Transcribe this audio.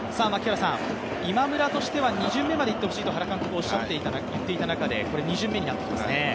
今村としては２巡目までいってほしいと原監督言っていた中で２巡目になっていますね。